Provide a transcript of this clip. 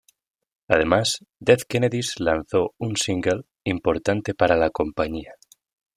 Además, Dead Kennedys lanzó un "single" importante para la compañía.